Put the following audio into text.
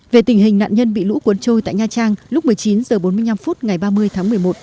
về tình hình nạn nhân bị lũ cuốn trôi tại nha trang lúc một mươi chín h bốn mươi năm phút ngày ba mươi tháng một mươi một